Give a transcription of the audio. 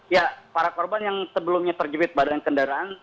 ya para korban yang sebelumnya terjepit badan kendaraan